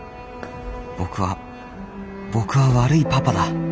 僕は僕は悪いパパだ。